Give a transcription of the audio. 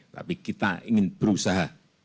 tapi kita ingin berusaha